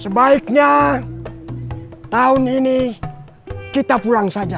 sebaiknya tahun ini kita pulang saja